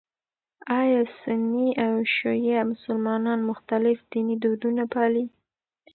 ایا سني او شیعه مسلمانان مختلف ديني دودونه پالي؟